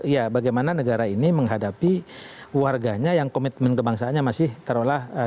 ya bagaimana negara ini menghadapi warganya yang komitmen kebangsaannya masih terolah